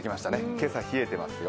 今朝、冷えてますよ。